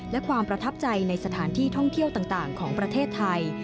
และความประทับใจในสถานที่ท่องเที่ยวต่างของประเทศไทย